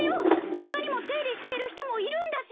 他にも出入りしている人もいるんだし！